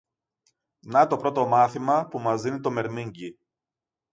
Να το πρώτο μάθημα που μας δίνει το μερμήγκι.